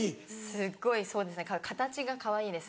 すっごいそうですね形がかわいいです。